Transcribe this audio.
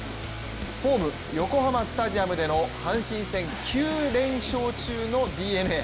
ホーム・横浜スタジアムでの阪神戦９連勝中のＤｅＮＡ。